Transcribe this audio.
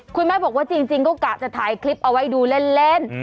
คุณแม่บอกว่าจริงก็กะจะถ่ายคลิปเอาไว้ดูเล่น